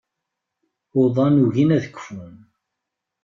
Uḍan ugin ad kfun.